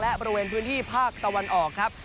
และบริเวณพื้นที่ภาคตะวันออกครับ